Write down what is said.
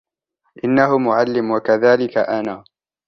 إنه معلم وكذلك انا.